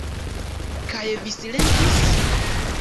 Kaj vi silentis?